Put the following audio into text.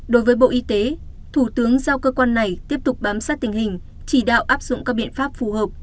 đối với bộ y tế thủ tướng giao cơ quan này tiếp tục bám sát tình hình chỉ đạo áp dụng các biện pháp phù hợp